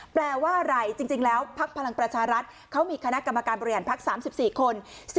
แปลว่าอะไรจริงแล้วพักพลังประชารัฐเขามีคณะกรรมการบริหารพัก๓๔คน